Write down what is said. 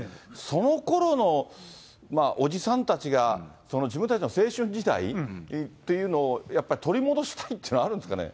そのころの、まあ、おじさんたちが自分たちの青春時代っていうのをやっぱり取り戻したいっていうのがあるんですかね。